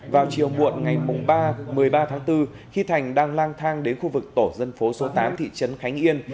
vào chiều muộn ngày ba một mươi ba tháng bốn khi thành đang lang thang đến khu vực tổ dân phố số tám thị trấn khánh yên